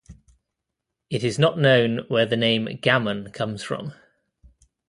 It is not known where the name "gammon" comes from.